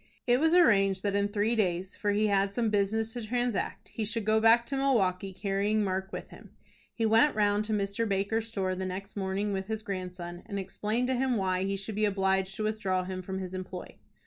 It was arranged that in three days, for he had some business to transact, he should go back to Milwaukie carrying Mark with him. He went round to Mr. Baker's store the next morning with his grandson and explained to him why he should be obliged to withdraw him from his employ.